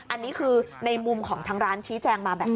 อันนี้คือในมุมของทางร้านชี้แจงมาแบบนี้